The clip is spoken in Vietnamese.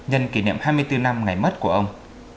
nhân kỷ niệm hai mươi bốn năm ngày mất của ông